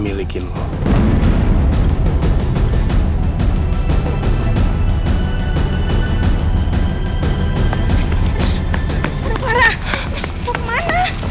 jeb kita sampai